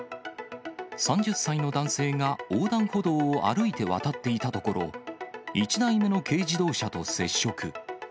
３０歳の男性が横断歩道を歩いて渡っていたところ、１台目の軽自動車と接触。